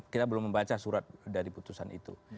kita belum membaca surat dari putusan itu